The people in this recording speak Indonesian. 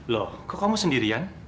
loh kok kamu sendirian